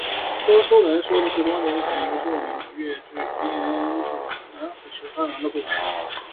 说书人说的是多年前一个著名的粤剧编剧南海十三郎的故事。